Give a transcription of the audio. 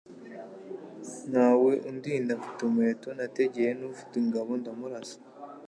nta we undinda mfite umuheto, nategeye n'ufite ingabo ndamurasa